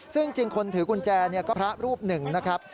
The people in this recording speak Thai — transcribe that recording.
ซึ่งจริงคนถือกุญแจก็พระรูปหนึ่งนะครับ